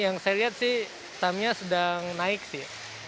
yang saya lihat sih tamnya sedang naik sih